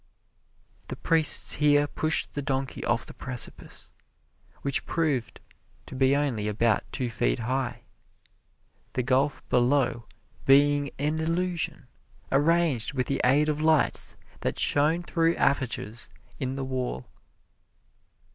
The priests here pushed the donkey off the precipice, which proved to be only about two feet high, the gulf below being an illusion arranged with the aid of lights that shone through apertures in the wall.